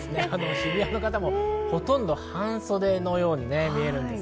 渋谷の方もほとんど半袖のように見えます。